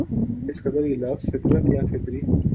جس قدر یہ لفظ فطرت یا فطری